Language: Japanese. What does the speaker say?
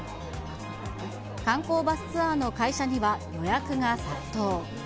観光バスツアーの会社には予約が殺到。